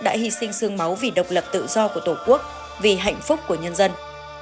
đã hy sinh sương máu vì độc lập tự do của tổ quốc vì hạnh phúc của nhân dân